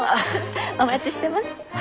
お待ちしてます。